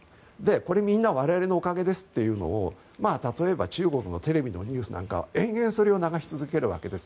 これ、みんな我々のおかげですというのを例えば、中国のテレビのニュースなんかは延々それを流し続けるわけです。